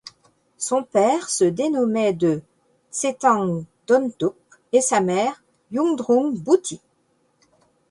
Son père se dénommait de Tsetan Dhondup et sa mère Yungdrung Bhuti.